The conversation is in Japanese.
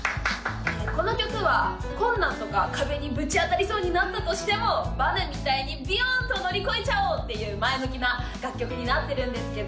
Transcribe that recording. この曲は困難とか壁にぶち当たりそうになったとしてもバネみたいにビヨンと乗り越えちゃおうっていう前向きな楽曲になってるんですけど